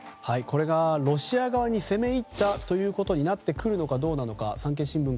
これがロシア側に攻め入ったということになってくるのかどうなのか。